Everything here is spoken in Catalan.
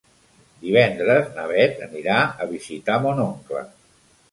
Divendres na Beth anirà a visitar mon oncle.